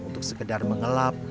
untuk sekedar mengelap